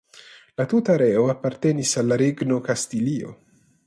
La tuta areo apartenis al la Regno Kastilio.